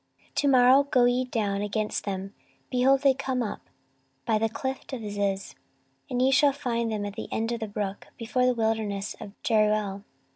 14:020:016 To morrow go ye down against them: behold, they come up by the cliff of Ziz; and ye shall find them at the end of the brook, before the wilderness of Jeruel.